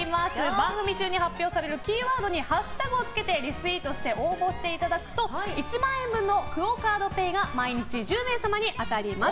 番組中に発表されるキーワードにハッシュタグをつけてリツイートして応募していただくと１万円分のＱＵＯカードＰａｙが毎日１０名様に当たります。